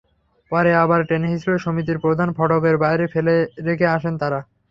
পরে আবার টেনেহিঁচড়ে সমিতির প্রধান ফটকের বাইরে ফেলে রেখে আসেন তাঁরা।